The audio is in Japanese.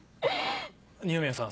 二宮さん